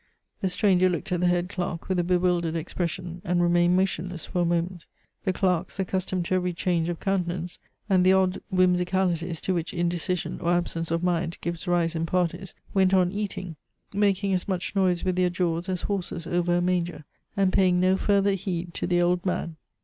The stranger looked at the head clerk with a bewildered expression, and remained motionless for a moment. The clerks, accustomed to every change of countenance, and the odd whimsicalities to which indecision or absence of mind gives rise in "parties," went on eating, making as much noise with their jaws as horses over a manger, and paying no further heed to the old man.